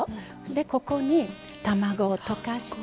でここに卵を溶かして。